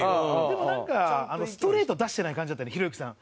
でもなんかストレート出してない感じだったねひろゆきさん。